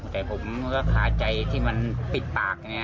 แต่ผมก็ขาใจที่มันปิดปากไง